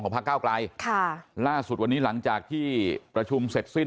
พระเก้าไกลค่ะล่าสุดวันนี้หลังจากที่ประชุมเสร็จสิ้น